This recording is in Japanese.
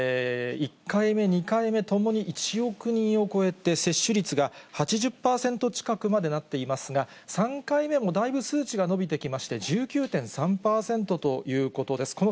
１回目、２回目ともに１億人を超えて、接種率が８０％近くまでなっていますが、３回目もだいぶ数値が伸びてきまして１９．３％ということです。